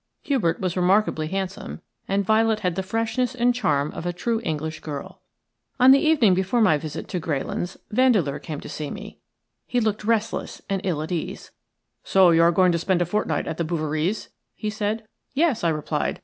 Hubert was remarkably handsome, and Violet had the freshness and charm of a true English girl. On the evening before my visit to Greylands Vandeleur came to see me. He looked restless and ill at ease. "So you are going to spend a fortnight at the Bouveries?" he said. "Yes," I replied.